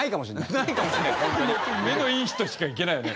目のいい人しか行けないよね。